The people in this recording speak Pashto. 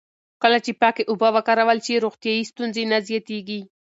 کله چې پاکې اوبه وکارول شي، روغتیایي ستونزې نه زیاتېږي.